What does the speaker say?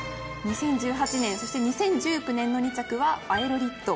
２０１８年そして２０１９年の２着はアエロリット。